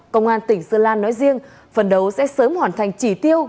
công an tỉnh sơn la nói riêng phần đầu sẽ sớm hoàn thành chỉ tiêu